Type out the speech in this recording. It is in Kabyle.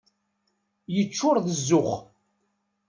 Yeččuṛ d zzux.